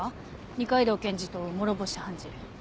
二階堂検事と諸星判事。